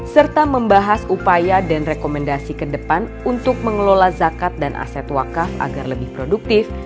serta membahas upaya dan rekomendasi ke depan untuk mengelola zakat dan aset wakaf agar lebih produktif